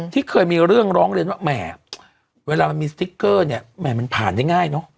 ที่เคยมีเรื่องร้องเรียนว่าแหมเวลามันมีสติ๊กเกอร์เนี่ยแหม่มันผ่านได้ง่ายเนอะ